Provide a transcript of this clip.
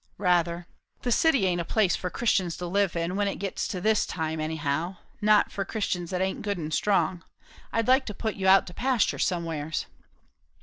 "Rather." "The city aint a place for Christians to live in, when it gets to this time; anyhow, not for Christians that aint good and strong. I'd like to put you out to pasture somewheres."